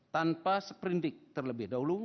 tanpa seperindik terlebih dahulu